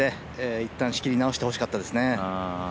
いったん仕切り直して欲しかったですね。